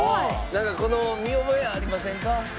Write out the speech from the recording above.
なんかこの見覚えありませんか？